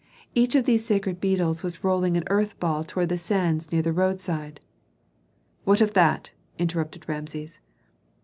Each of these sacred beetles was rolling an earth ball toward the sands near the roadside " "What of that?" interrupted Rameses.